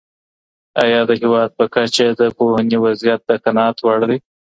آیا د هیواد په کچه د پوهنې وضعیت د قناعت وړ دی؟